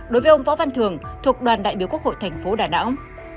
đối với ông võ văn thường thuộc đoàn đại biểu quốc hội thành phố đà nẵng